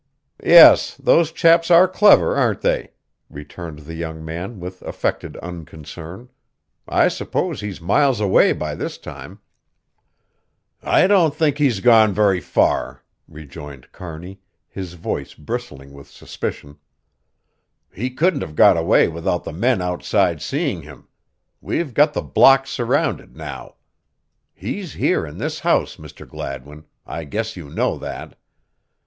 "Yes, those chaps are clever, aren't they?" returned the young man with affected unconcern. "I suppose he's miles away by this time." "I don't think he's gone very far," rejoined Kearney, his voice bristling with suspicion. "He couldn't have got away without the men outside seeing him. We've got the block surrounded now. He's here in this house, Mr. Gladwin I guess you know that."